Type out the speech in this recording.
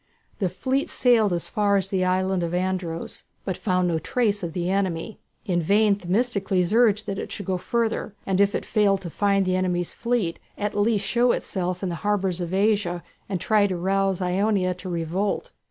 The fleet sailed as far as the island of Andros, but found no trace of the enemy. In vain Themistocles urged that it should go further, and if it failed to find the enemy's fleet, at least show itself in the harbours of Asia and try to rouse Ionia to revolt.